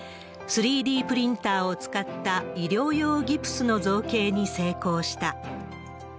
３Ｄプリンターを使った医療用ギプスの造形に成功した。